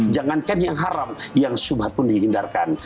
jangankan yang haram yang subur pun dihindarkan